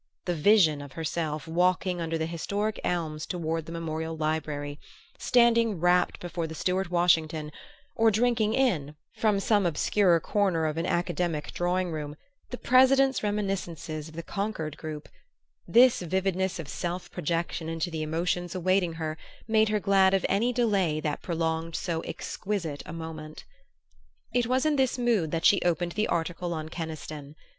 The vision of herself walking under the "historic elms" toward the Memorial Library, standing rapt before the Stuart Washington, or drinking in, from some obscure corner of an academic drawing room, the President's reminiscences of the Concord group this vividness of self projection into the emotions awaiting her made her glad of any delay that prolonged so exquisite a moment. It was in this mood that she opened the article on Keniston.